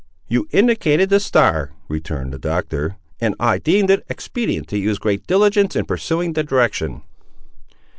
"You indicated the star," returned the Doctor, "and I deemed it expedient to use great diligence in pursuing the direction."